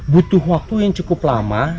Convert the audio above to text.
butuh waktu yang cukup lama